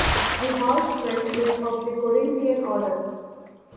The Hall's front is of the Corinthian order.